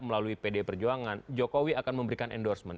melalui pdi perjuangan jokowi akan memberikan endorsement